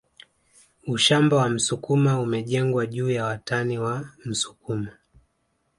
Ushamba wa msukuma umejengwa juu ya watani wa msukuma